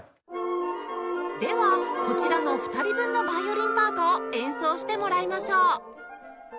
ではこちらの２人分のヴァイオリンパートを演奏してもらいましょう